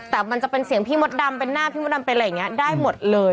แต่มันจะเป็นเสียงพี่มดดำเป็นหน้าพี่มดดำเป็นอะไรอย่างนี้ได้หมดเลย